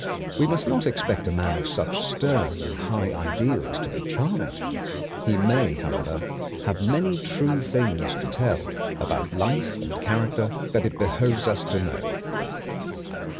We must not expect a man of such stern and high ideals to be charming. He may, however, have many true things to tell about life and character that it behooves us to know.